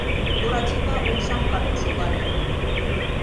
Буратино умшам карен шогале...